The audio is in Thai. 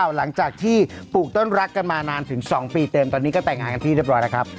หลังจากที่ปลูกต้นรักกันมานานถึง๒ปีเต็มตอนนี้ก็แต่งงานกันที่เรียบร้อยแล้วครับ